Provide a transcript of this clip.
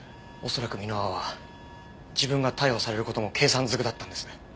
恐らく箕輪は自分が逮捕される事も計算ずくだったんです。